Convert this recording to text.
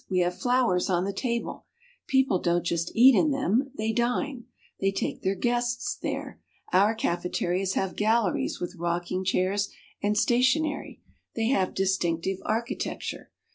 We have flowers on the tables. People don't just eat in them, they dine. They take their guests there. Our cafeterias have galleries with rocking chairs and stationery. They have distinctive architecture.